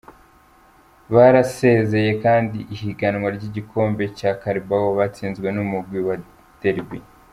Barasezeye kandi ihiganwa ry'igikombe ca Carabao batsinzwe n'umugwi wa Derby.